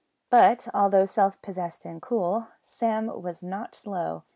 But, although self possessed and cool, Sam was not slow.